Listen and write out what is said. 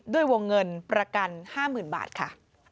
ด้วยวงเงินประกัน๕๐๐๐บาทค่ะ